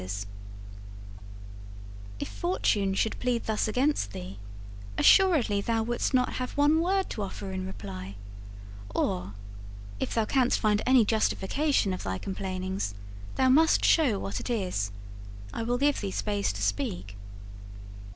III. 'If Fortune should plead thus against thee, assuredly thou wouldst not have one word to offer in reply; or, if thou canst find any justification of thy complainings, thou must show what it is. I will give thee space to speak.'